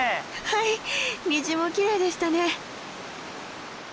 はい虹もきれいでしたね。